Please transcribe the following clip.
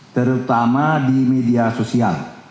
terutama di media sosial